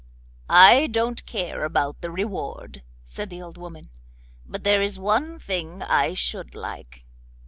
'I don't care about the reward,' said the old woman, 'but there is one thing I should like.